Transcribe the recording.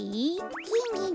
きんぎん